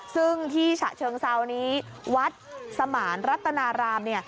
ซึ่งที่ฉะเชิงเซานี้วัดสมานรัตนารามเนี่ย